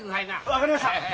分かりました！